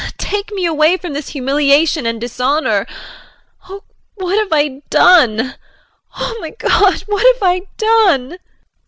Take me away from this humiliation and dishonor. Oh, what have I done! Oh, my God, what have I done!